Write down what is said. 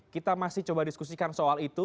kita masih coba diskusikan soal itu